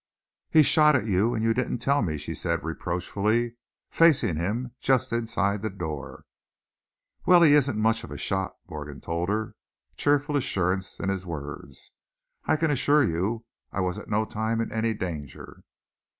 "He shot at you, and you didn't tell me!" she said, reproachfully, facing him just inside the door. "Well, he isn't much of a shot," Morgan told her, cheerful assurance in his words. "I can assure you I was at no time in any danger."